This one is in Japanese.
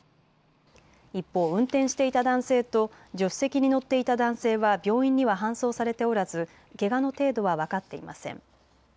一方、運転していた男性と助手席に乗っていた男性は病院には搬送されておらずけがの程度は分かっていません。